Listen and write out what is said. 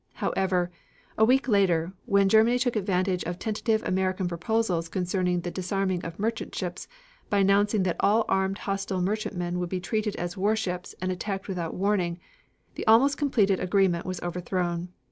However, a week later, when Germany took advantage of tentative American proposals concerning the disarming of merchant ships, by announcing that all armed hostile merchantmen would be treated as warships and attacked without warning, the almost completed agreement was overthrown.